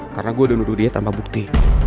karena gue udah nurut dia tanpa bukti